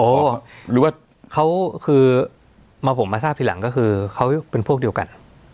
หรือว่าเขาคือมาผมมาทราบทีหลังก็คือเขาเป็นพวกเดียวกัน